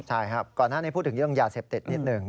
ใช่ครับก่อนหน้านี้พูดถึงเรื่องยาเสพติดนิดหนึ่ง